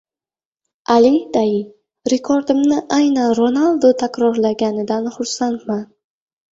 Ali Dai: "Rekordimni aynan Ronaldu takrorlaganidan xursandman"